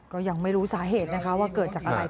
ก็ยังไม่รู้สาเหตุนะคะว่าเกิดจากอะไร